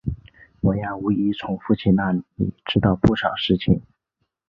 挪亚无疑从父亲那里知道不少事情。